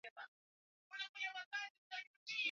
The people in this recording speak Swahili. Utupaji salama wa vijusi vilivyoporomosha mimba